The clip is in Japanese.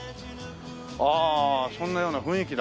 ああそんなような雰囲気だね。